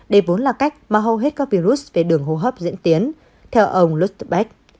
đây vốn là cách mà hầu hết các virus về đường hô hấp diễn tiến theo ông lothar weiss